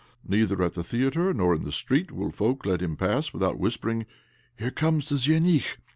Neither at the theatre nor in the street will folk let him pass with out whispering, ' Here comes the zhenich